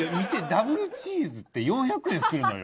ダブルチーズって４００円するのよ。